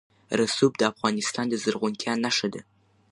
رسوب د افغانستان د زرغونتیا نښه ده.